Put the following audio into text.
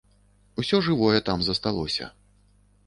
Усё жывое там засталося.